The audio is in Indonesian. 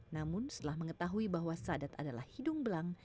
namun setelah mengetahui bahwa sadat adalah hidung belang